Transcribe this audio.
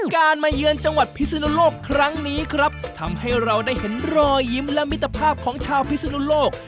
การมาเยือนจังหวัดพิศนุโลกครั้งนี้ครับทำให้เราได้เห็นรอยยิ้มและมิตรภาพของชาวพิศนุโลก